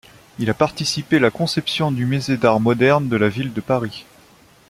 Il a participé la conception du Musée d'art moderne de la ville de Paris.